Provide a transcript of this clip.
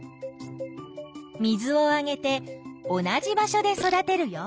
水をあげて同じ場所で育てるよ。